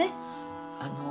あの。